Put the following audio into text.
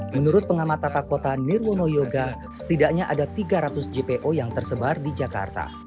menurut pengamat tata kota nirwono yoga setidaknya ada tiga ratus jpo yang tersebar di jakarta